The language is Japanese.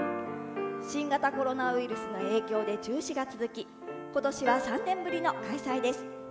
新型コロナウイルスの影響で中止が続きことしは３年ぶりの開催です。